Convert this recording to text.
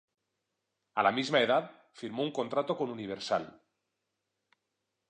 A la misma edad, firmó un contrato con Universal.